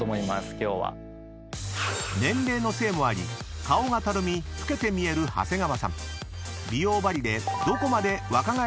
［年齢のせいもあり顔がたるみ老けて見える長谷川さん］